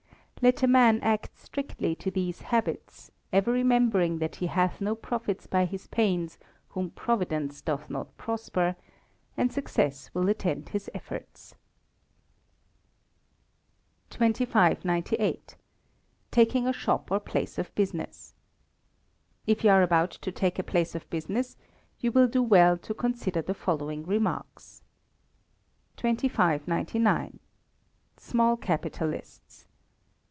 Let a man act strictly to these habits ever remembering that he hath no profits by his pains whom Providence doth not prosper and success will attend his efforts. 2598. Taking a Shop or Place of Business. If you are about to take a place of business, you will do well to consider the following remarks: 2599. Small Capitalists.